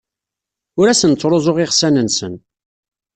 Ur asen-ttruẓuɣ iɣsan-nsen.